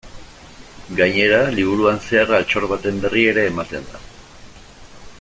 Gainera, liburuan zehar altxor baten berri ere ematen da.